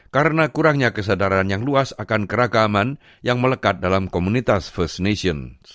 karena kurangnya kesadaran yang luas akan keragaman yang melekat dalam komunitas first nations